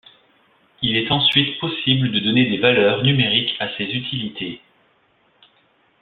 Il est ensuite possible de donner des valeurs numériques à ces utilités.